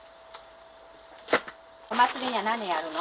お祭りには何やるの？